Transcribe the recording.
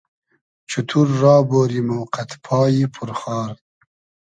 چوتور را بۉری مۉ قئد پایی پور خار